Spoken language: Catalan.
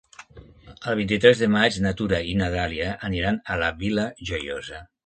El vint-i-tres de maig na Tura i na Dàlia aniran a la Vila Joiosa.